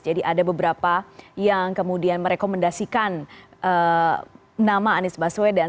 jadi ada beberapa yang kemudian merekomendasikan nama anies baswedan